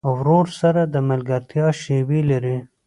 ورور سره د ملګرتیا شیبې لرې.